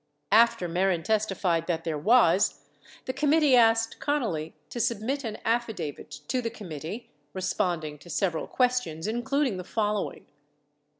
2 After Mehren testified that there was, the committee asked Connally to submit an affidavit to the committee responding to several questions including the following : Q.